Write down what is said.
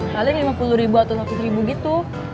paling lima puluh ribu atau lima puluh ribu gitu